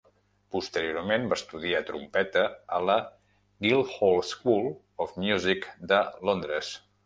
Posteriorment va estudiar trompeta a la Guildhall School of Music de Londres.